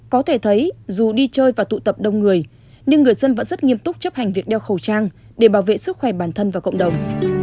có thể thấy dù đi chơi và tụ tập đông người nhưng người dân vẫn rất nghiêm túc chấp hành việc đeo khẩu trang để bảo vệ sức khỏe bản thân và cộng đồng